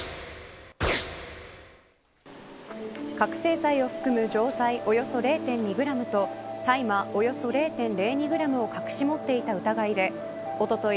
覚せい剤を含む錠剤およそ０．２グラムと大麻およそ０．０２グラムを隠し持っていた疑いでおととい